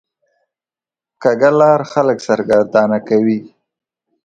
کوږه لار خلک سرګردانه کوي